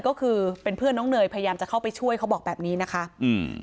ก็คือเป็นเพื่อนน้องเนยพยายามจะเข้าไปช่วยเขาบอกแบบนี้นะคะอืม